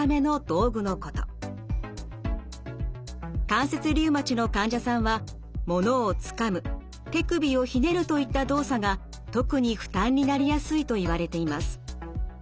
関節リウマチの患者さんは物をつかむ・手首をひねるといった動作が特に負担になりやすいといわれています。